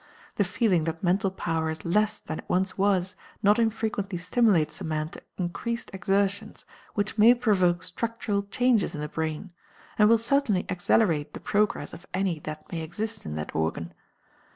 The feeling that mental power is less than it once was not infrequently stimulates a man to increased exertions which may provoke structural changes in the brain, and will certainly accelerate the progress of any that may exist in that organ.